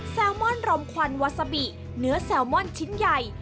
แซลมอนรมควันวาซาบิเนื้อแซลมอนชิ้นใหญ่